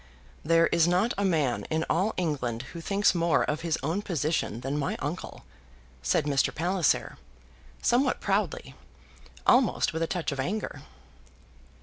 "There is not a man in all England who thinks more of his own position than my uncle," said Mr. Palliser somewhat proudly, almost with a touch of anger.